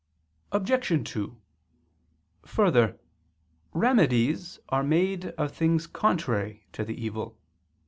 Obj. 2: Further, remedies are made of things contrary (to the evil).